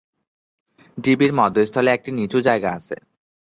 ঢিবির মধ্যস্থলে একটি নিচু জায়গা আছে।